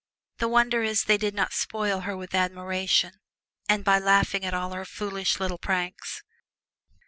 The wonder is they did not spoil her with admiration, and by laughing at all her foolish little pranks.